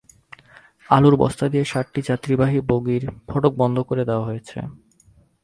আলুর বস্তা দিয়ে সাতটি যাত্রীবাহী বগির ফটক বন্ধ করে দেওয়া হয়েছে।